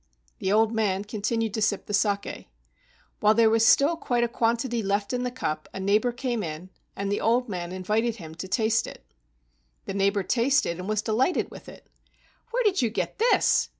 The old man continued to sip the saki. While there was still quite a quantity left in the cup a neighbor came in, and the old man invited him to taste it. The neighbor tasted and was delighted with it. "Where did you get this?"